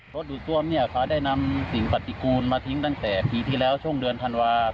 ดูดซ่วมเนี่ยเขาได้นำสิ่งปฏิกูลมาทิ้งตั้งแต่ปีที่แล้วช่วงเดือนธันวาคม